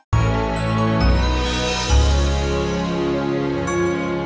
jangan lewat sini